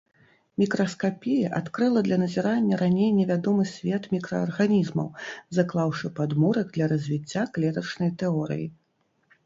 Мікраскапія адкрыла для назірання раней невядомы свет мікраарганізмаў, заклаўшы падмурак для развіцця клетачнай тэорыі.